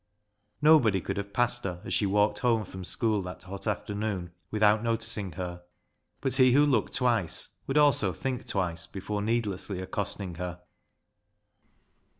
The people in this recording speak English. Nobody could have passed her as she walked home from school that hot afternoon without noticing her, but he who looked twice would also think twice before needlessly accosting her.